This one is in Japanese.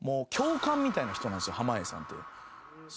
濱家さんって。